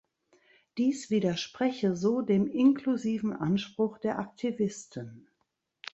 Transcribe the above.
Dies widerspreche so dem inklusiven Anspruch der Aktivisten.